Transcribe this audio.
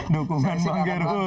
dukungan bang gerbu